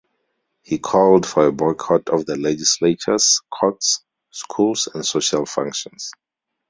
He called for a boycott of the legislatures, courts, schools and social functions.